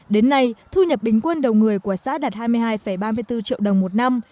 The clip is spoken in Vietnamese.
đến nay thu nhập bình quân đầu người của xã đạt hai mươi hai ba mươi bốn triệu đồng một năm